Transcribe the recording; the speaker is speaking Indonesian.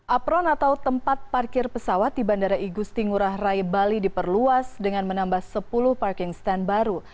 apron atau tempat parkir pesawat di bandara igusti ngurah rai bali diperluas dengan menambah sepuluh parking stand baru